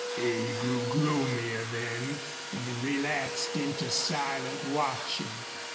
He grew gloomier then and relapsed into silent watching.